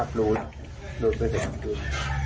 พ่อบอกเนี่ย